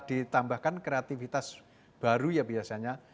ditambahkan kreativitas baru ya biasanya